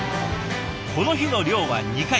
この日の漁は２回。